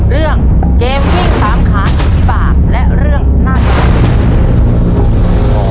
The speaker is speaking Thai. เรื่องเกมวิ่งตามค้าอุปกรณ์และเรื่องน่าตระศิลป์